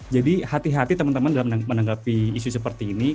jadi hati hati teman teman dalam menanggapi isu seperti ini